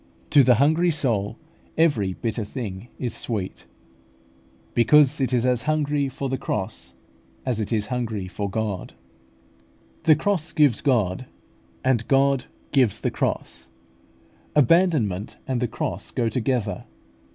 "To the hungry soul every bitter thing is sweet" (Prov. xxvii. 7), because it is as hungry for the cross as it is hungry for God. The cross gives God, and God gives the cross. Abandonment and the cross go together.